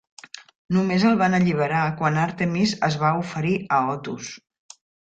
Només el van alliberar quan Àrtemis es va oferir a Otus.